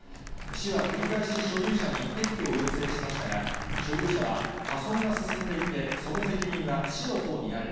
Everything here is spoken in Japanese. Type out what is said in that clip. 市は繰り返し、所有者に撤去を要請しましたが、所有者は、破損が進んでいて、その責任は市のほうにある。